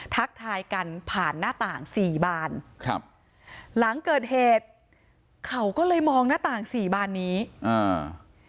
ทักทายกันผ่านหน้าต่างสี่บานครับหลังเกิดเหตุเขาก็เลยมองหน้าต่างสี่บานนี้อ่า